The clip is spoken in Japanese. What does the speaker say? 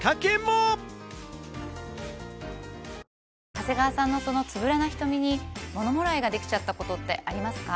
長谷川さんのそのつぶらな瞳にものもらいができちゃったことってありますか？